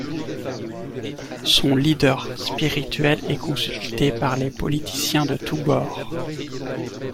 Son leader spirituel est consulté par les politiciens de tous bords.